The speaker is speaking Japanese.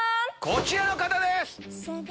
こちらの方です！